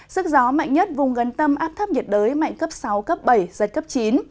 sức gió mạnh nhất vùng gần tâm áp thấp nhiệt đới mạnh cấp sáu cấp bảy giật cấp chín